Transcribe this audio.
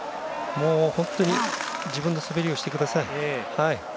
もう、本当に自分の滑りをしてください。